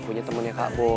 punya temennya kak boy